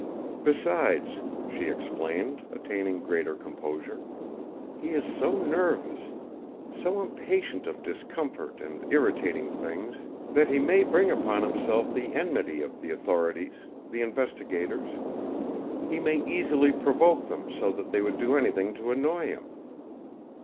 "Besides," she explained, attaining greater composure, "he is so nervous, so impatient of discomfort and irritating things, that he may bring upon himself the enmity of the authorities, the investigators. He may easily provoke them so that they would do anything to annoy him.